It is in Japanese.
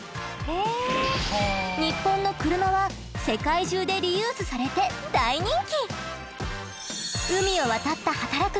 ニッポンの車は世界中でリユースされて大人気！